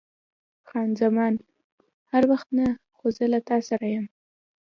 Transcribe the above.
خان زمان: هر وخت نه، خو زه له تا سره یم.